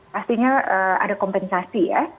pastinya ada kompensasi ya